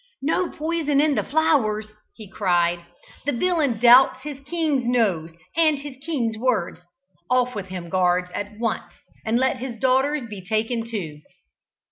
"No poison in the flowers!" he cried. "The villain doubts his king's nose and his king's words! Off with him, guards, at once; and let his daughters be taken too!"